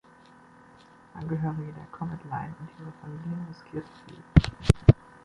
Angehörige der Comet Line und ihre Familien riskierten viel.